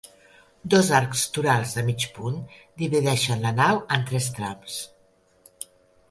Dos arcs torals de mig punt divideixen la nau en tres trams.